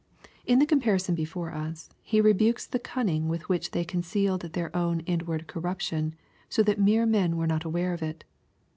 In the comparison before us He rebukes the cunning with which they concealed their own inward corruption, so that men were not aware of it.